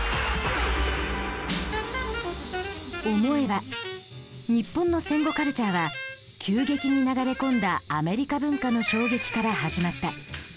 思えば日本の戦後カルチャーは急激に流れ込んだアメリカ文化の衝撃から始まった。